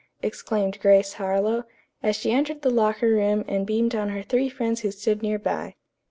exclaimed Grace Harlowe, as she entered the locker room and beamed on her three friends who stood near by.